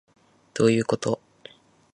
どういうこと